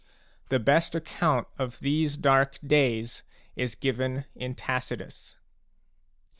The best account of these dark days is f given* in Tacitus.